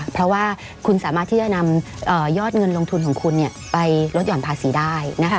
เพราะว่าคุณสามารถที่จะนำยอดเงินลงทุนของคุณไปลดห่อนภาษีได้นะคะ